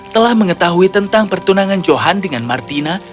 telah mengetahui tentang pertunangan johan dengan martina